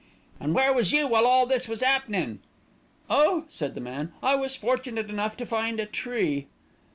"And where was you while all this was 'appenin'?" "Oh!" said the man, "I was fortunate enough to find a tree."